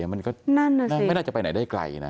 มันก็ไม่น่าจะไปไหนได้ไกลนะ